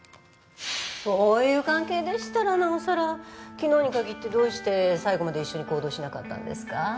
そういう関係でしたらなおさら昨日にかぎってどうして最後まで一緒に行動しなかったんですか？